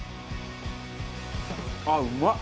ああうまっ！